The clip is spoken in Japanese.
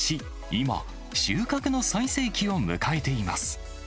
今、収穫の最盛期を迎えています。